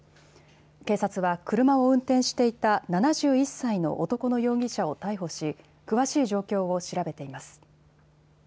警察は車を運転していた７１歳の男の容疑者を逮捕し、詳しい状況を調べています。